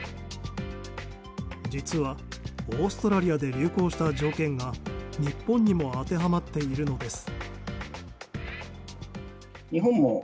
実はオーストラリアで流行した条件が日本にも当てはまっているのです。